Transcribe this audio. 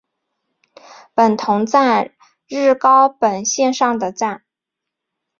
本桐站日高本线上的站。